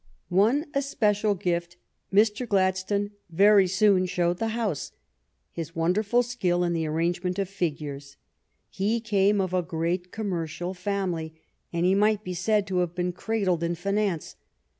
One especial gift Mr. Gladstone very soon showed the House — his wonderful skill in the arrangement of figures. He came of a great commercial family, and he might be said to have been cradled in finance.